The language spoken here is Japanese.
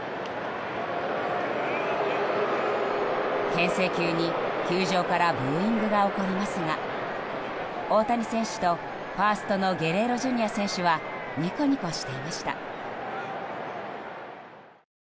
牽制球に球場からブーイングが起こりますが大谷選手と、ファーストのゲレーロＪｒ．選手はニコニコしていました。